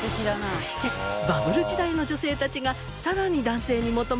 そしてバブル時代の女性たちがさらに男性に求めていたのが。